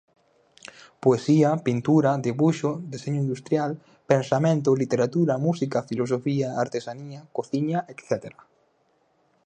Poesía, pintura, debuxo, deseño industrial, pensamento, literatura, música, filosofía, artesanía, cociña etcétera.